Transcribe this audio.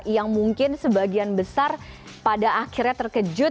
yang mungkin sebagian besar pada akhirnya terkejut